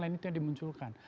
lain itu dimunculkan